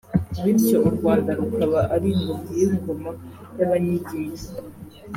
bityo u Rwanda rukaba ari ingobyi y’ingoma y’Abanyiginya